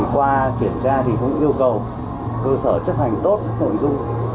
qua kiểm tra thì cũng yêu cầu cơ sở chấp hành tốt hợp dụng